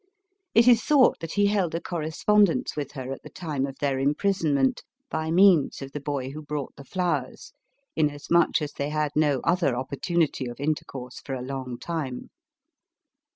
It is thought that he held a correspondence with her at the time of their imprisonment, by means of the boy who brought the flowers, inasmuch as they had no other opportunity of intercourse for a long time.